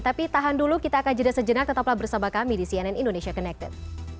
tapi tahan dulu kita akan jeda sejenak tetaplah bersama kami di cnn indonesia connected